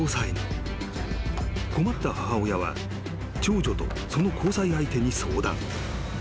［困った母親は長女とその交際相手に相談］